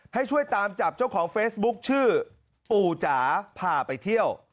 ให้ช่วยตามจับเจ้าของเฟซบุ๊คชื่อปู่จ๋าพาไปเที่ยว